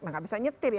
nah nggak bisa nyetir ya